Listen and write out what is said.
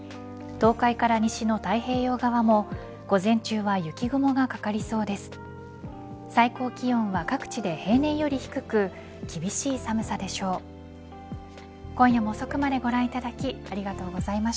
東海から西の太平洋側も午前中は雪雲がかかりそうです。